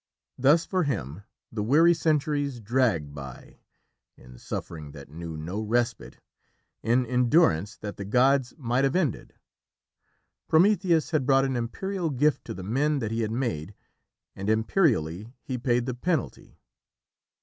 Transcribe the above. Thus for him the weary centuries dragged by in suffering that knew no respite in endurance that the gods might have ended. Prometheus had brought an imperial gift to the men that he had made, and imperially he paid the penalty.